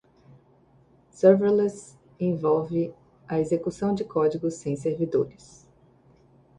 Serverless envolve a execução de código sem servidores.